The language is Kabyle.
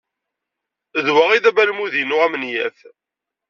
D wa ay d abalmud-inu amenyaf.